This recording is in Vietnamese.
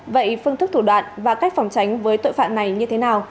vậy phương thức thủ đoạn và cách phòng tránh với tội phạm này như thế nào